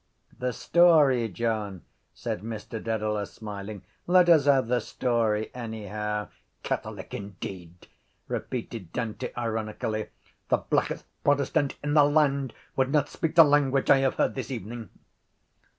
—The story, John, said Mr Dedalus smiling. Let us have the story anyhow. —Catholic indeed! repeated Dante ironically. The blackest protestant in the land would not speak the language I have heard this evening.